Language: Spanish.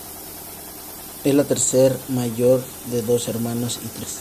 Es la tercera mayor de dos hermanos y tres hermanas.